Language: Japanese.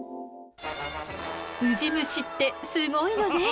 ウジ虫ってすごいのね！